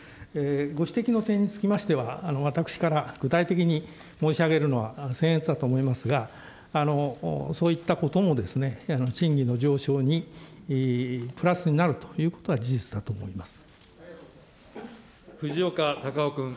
ご指摘の点につきましては、私から具体的に申し上げるのはせん越だと思いますが、そういったことも賃金の上昇にプラスになるということは事実だと藤岡隆雄君。